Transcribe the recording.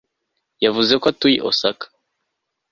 Yavuze ko atuye Osaka